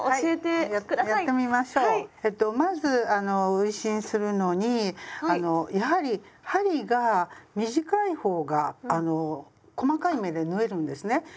えっとまず運針するのにやはり針が短い方が細かい目で縫えるんですね。